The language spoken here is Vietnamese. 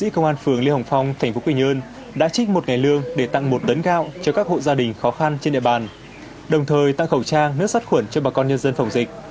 công an phường lê hồng phong tp quy nhơn đã trích một ngày lương để tặng một tấn gạo cho các hộ gia đình khó khăn trên địa bàn đồng thời tăng khẩu trang nước sắt khuẩn cho bà con nhân dân phòng dịch